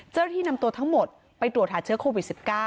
ที่นำตัวทั้งหมดไปตรวจหาเชื้อโควิด๑๙